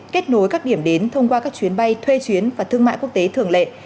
kết nối các điểm đến thông qua các chuyến bay thuê chuyến và thương mại quốc tế thường lệ